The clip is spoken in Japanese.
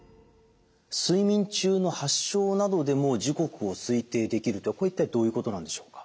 睡眠中の発症などでも時刻を推定できるとはこれ一体どういうことなんでしょうか？